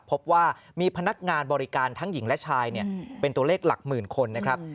พบว่ามีพนักงานบริการทั้งหญิงและชายเป็นตัวเลขหลักหมื่นคนนะครับ